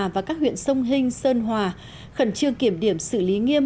và các huyện sông hinh sơn hòa khẩn trương kiểm điểm xử lý nghiêm